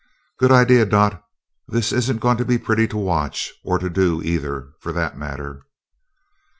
"Good idea, Dot. This isn't going to be pretty to watch or to do, either, for that matter."